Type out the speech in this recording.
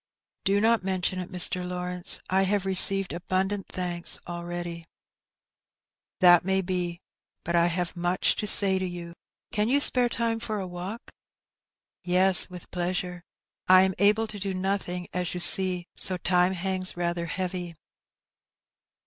" Do not mention it, Mr. Lawrence ; I have received abundant thanks already." "That may be, but I have much to say to you; can you spare time for a walk ?"" Yes, with pleasure ; I am able to do nothing, as you see, and so time hangs rather heavy."